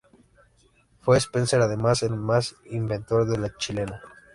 Fue Spencer además el inventor de "La Chilena".